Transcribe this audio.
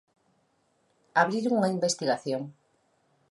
Abrir unha investigación.